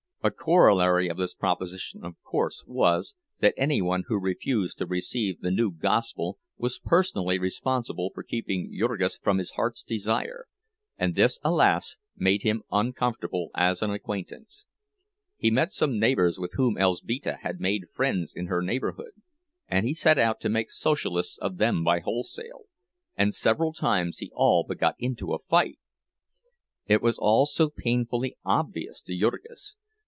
A corollary of this proposition of course was, that any one who refused to receive the new gospel was personally responsible for keeping Jurgis from his heart's desire; and this, alas, made him uncomfortable as an acquaintance. He met some neighbors with whom Elzbieta had made friends in her neighborhood, and he set out to make Socialists of them by wholesale, and several times he all but got into a fight. It was all so painfully obvious to Jurgis!